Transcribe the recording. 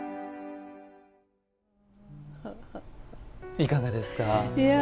いかがですか？